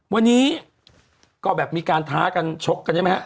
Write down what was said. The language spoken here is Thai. วันนี้ก็แบบมีการท้ากันชกกันใช่ไหมฮะ